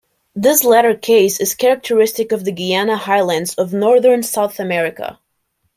This latter case is characteristic of the Guiana Highlands of northern South America.